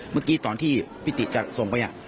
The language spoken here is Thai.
เมื่อกี้ตอนที่พี่ติจะส่งไป